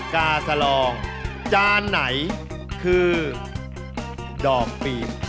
กาสลองจานไหนคือดอกปีน